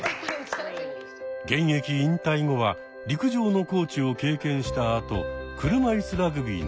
現役引退後は陸上のコーチを経験したあと車いすラグビーの監督に。